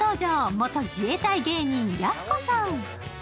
元自衛隊芸人・やす子さん。